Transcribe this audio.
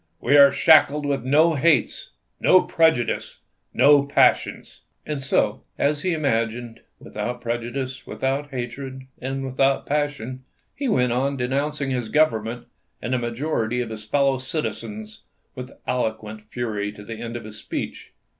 We are shackled with no hates, no prejudices, no passions." And so, — as he imagined, — without prejudices, without hatred, and without passion, he went on denouncing his Government and the majority of his fellow citizens with eloquent fury to the end of his speech.